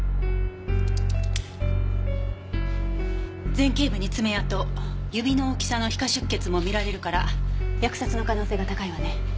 前頸部に爪痕指の大きさの皮下出血も見られるから扼殺の可能性が高いわね。